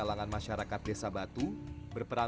jauh jauh lebih tua